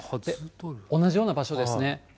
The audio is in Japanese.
同じような場所ですね。